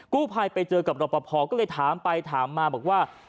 กู้ภัยไปเจอกับรอปภก็เลยถามไปถามมาบอกว่า